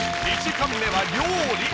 ２時間目は料理。